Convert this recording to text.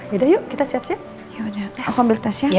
yaudah yuk kita siap siap